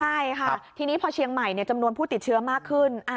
ใช่ค่ะทีนี้พอเชียงใหม่จำนวนผู้ติดเชื้อมากขึ้น